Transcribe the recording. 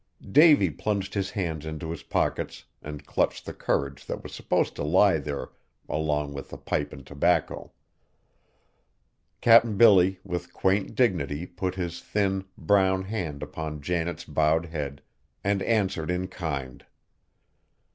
Davy plunged his hands into his pockets and clutched the courage that was supposed to lie there along with the pipe and tobacco. Cap'n Billy with quaint dignity put his thin, brown hand upon Janet's bowed head, and answered in kind.